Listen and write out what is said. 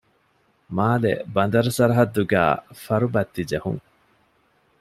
މާލެ ބަނދަރު ސަރަހައްދުގައި ފަރުބައްތި ޖެހުން